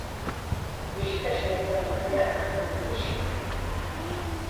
Wishka aychaqa allaapam mishkin.